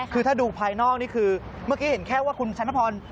คือถ้าดูภายนอกนี่คือเมื่อกี้เห็นแค่ว่าคุณชันพร